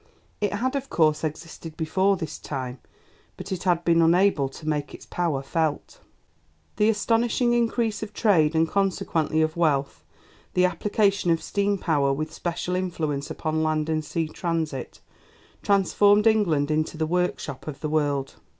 It had, of course, existed before this time, but it had been unable to make its power felt. The astonishing increase of trade and consequently of wealth, the application of steam power with special influence upon land and sea transit, transformed England into "the Workshop of the World."